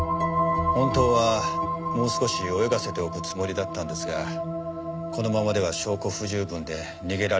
本当はもう少し泳がせておくつもりだったんですがこのままでは証拠不十分で逃げられる恐れもある。